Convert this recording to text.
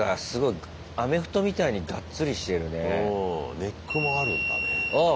ネックもあるんだね。